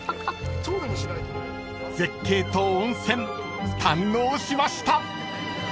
［絶景と温泉堪能しました］